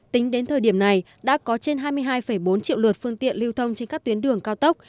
tính đến thời điểm này đã có trên hai mươi hai bốn triệu lượt phương tiện lưu thông trên các tuyến đường cao tốc